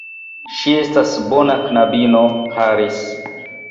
Ŝi estas bona knabino, Harris.